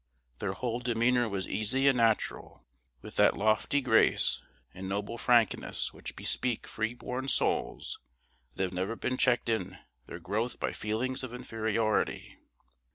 Their whole demeanor was easy and natural, with that lofty grace and noble frankness which bespeak free born souls that have never been checked in their growth by feelings of inferiority.